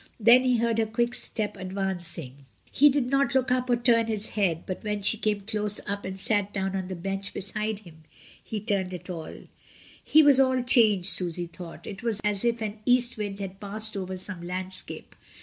Then he heard her quick step advancing, he did not look up or turn his head, but when she came close up and sat down on the bench beside him, he turned at last. He was all changed, Susy thought. It was as if an east wind had passed over some landscape.